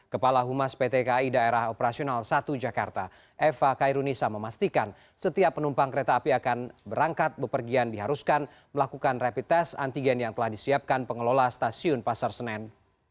kepala humas pt kai daerah operasional satu jakarta eva kairunisa memastikan setiap penumpang kereta api akan berangkat bepergian diharuskan melakukan rapid test antigen yang telah disiapkan pengelola stasiun pasar senen